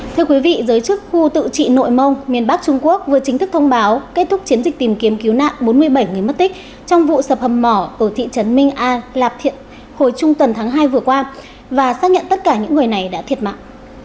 thưa quý vị giới chức khu tự trị nội mông miền bắc trung quốc vừa chính thức thông báo kết thúc chiến dịch tìm kiếm cứu nạn bốn mươi bảy người mất tích trong vụ sập hầm mỏ ở thị trấn minh a lạp thiện hồi trung tuần tháng hai vừa qua và xác nhận tất cả những người này đã thiệt mạng